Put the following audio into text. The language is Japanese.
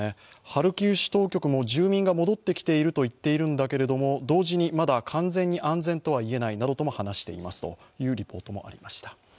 ハルキウ当局も住民が戻ってきていると言っていますが同時にまだ完全に安全とは言えないと話しているというリポートもありました。